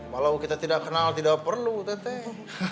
malah kita tidak kenal tidak perlu teh